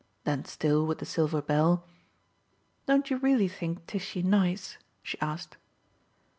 Then still with the silver bell, "Don't you really think Tishy nice?" she asked.